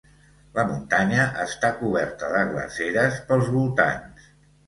La muntanya està coberta de glaceres pels voltants.